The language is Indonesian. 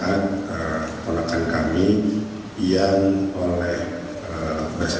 dan juga dengan kondisi yang terhadap kami